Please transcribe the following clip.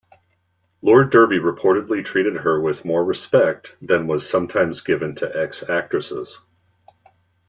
Lord Derby reportedly treated her with more respect than was sometimes given to ex-actresses.